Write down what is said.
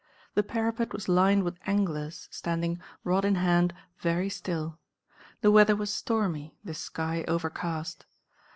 The parapet was lined with anglers, standing, rod in hand, very still. The weather was stormy, the sky overcast.